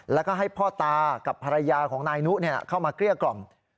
แล้วก็ให้พ่อตากับภรรยาของนายนุเข้ามาเกลี้ยกล่อม